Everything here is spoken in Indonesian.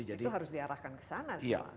itu harus diarahkan kesana